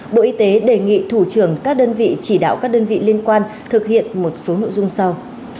bộ y tế đề nghị thủ trưởng các đơn vị chỉ đạo các đơn vị liên quan thực hiện một số nội dung sau